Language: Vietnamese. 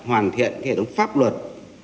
hoàn thiện hệ thống pháp luật